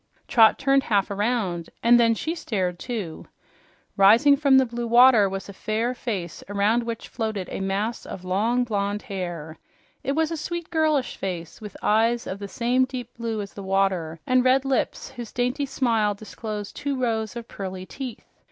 Trot turned half around, and then she stared, too. Rising from the blue water was a fair face around which floated a mass of long, blonde hair. It was a sweet, girlish face with eyes of the same deep blue as the water and red lips whose dainty smile disposed two rows of pearly teeth.